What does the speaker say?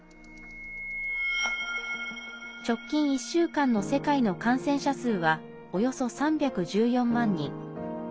直近１週間の世界の感染者数はおよそ３１４万人。